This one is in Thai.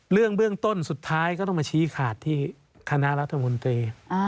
เรื่องเบื้องต้นสุดท้ายก็ต้องมาชี้ขาดที่คณะรัฐมนตรี